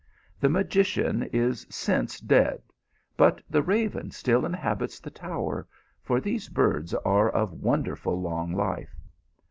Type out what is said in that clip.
The magician is since dead, but the raven still inhabits the tower, for these birds are of wonderful long life.